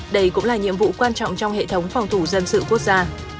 đây cũng là nhiệm vụ quan trọng trong hệ thống phòng thủ dân sự quốc gia